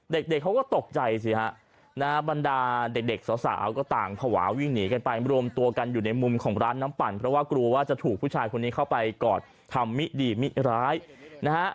เด็กเขาก็ตกใจสิฮะนะฮะบรรดาเด็กสาวก็ต่างภาวะวิ่งหนีกันไปรวมตัวกันอยู่ในมุมของร้านน้ำปั่นเพราะว่ากลัวว่าจะถูกผู้ชายคนนี้เข้าไปกอดทำมิดีมิร้ายนะฮะ